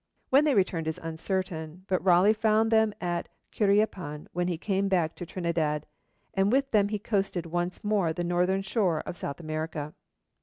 When they returned is uncertain, but Raleigh found them at Curiapan when he came back to Trinidad, and with them he coasted once more the northern shore of South America.